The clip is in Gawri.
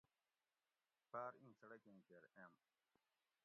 پار اِیں څڑکیں کیر ایم